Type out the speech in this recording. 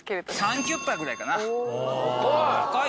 高い！